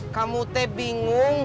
kamu teh bingung